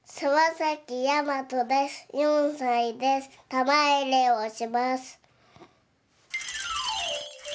たまいれをします。